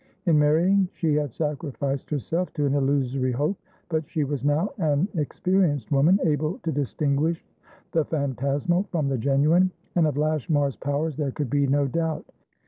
In marrying, she had sacrificed herself to an illusory hope; but she was now an experienced woman, able to distinguish the phantasmal from the genuine, and of Lashmar's powers there could be no doubt.